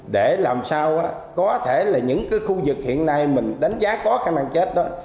để làm sao có thể là những khu vực hiện nay mình đánh giá có khai mạng chết đó